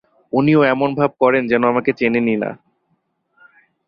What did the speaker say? উনিও এমন ভাব করেন যেন আমাকে চেনেন না।